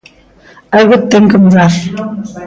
Algo ten que mudar.